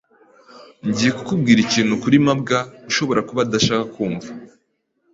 Ngiye kukubwira ikintu kuri mabwa ushobora kuba udashaka kumva.